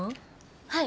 はい。